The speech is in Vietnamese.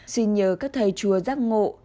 xin nhớ các thầy chùa giác ngộ